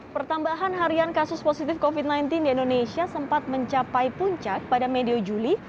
pertambahan harian kasus positif covid sembilan belas di indonesia sempat mencapai puncak pada medio juli